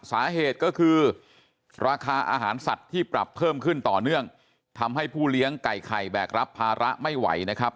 สาเหตุก็คือราคาอาหารสัตว์ที่ปรับเพิ่มขึ้นต่อเนื่องทำให้ผู้เลี้ยงไก่ไข่แบกรับภาระไม่ไหวนะครับ